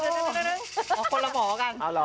คนละหมอกัน